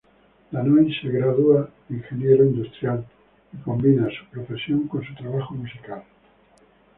Danny se gradúa de Ingeniero Industrial y combina su profesión con su trabajo musical.